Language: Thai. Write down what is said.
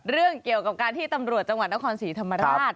เรื่องเกี่ยวกับการที่ตำรวจจังหวัดนครศรีธรรมราช